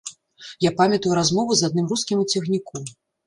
Я памятаю размову з адным рускім у цягніку.